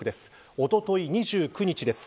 おととい、２９日です。